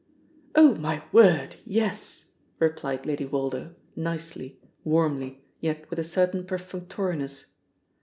"Oh! My word, yes!" replied Lady Woldo nicely, warmly, yet with a certain perfunctoriness.